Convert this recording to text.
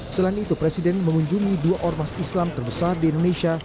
selain itu presiden mengunjungi dua ormas islam terbesar di indonesia